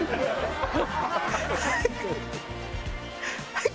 はい。